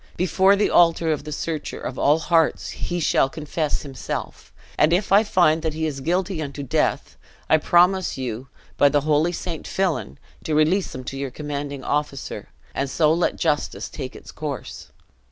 Before the altar of the Searcher of all hearts he shall confess himself; and if I find that he is guilty unto death, I promise you by the holy St. Fillan, to release him to your commanding officer, and so let justice take its course.